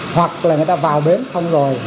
hoặc là người ta vào bến xong rồi